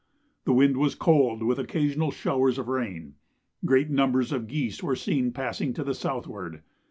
The wind was cold, with occasional showers of rain. Great numbers of geese were seen passing to the southward.